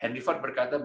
henry ford berkata bahwa